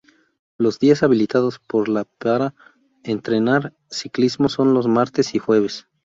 Los días habilitados por la para entrenar ciclismo son los martes y jueves.